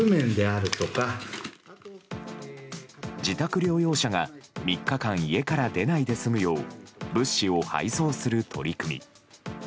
自宅療養者が３日間家から出ないで済むよう物資を配送する取り組み。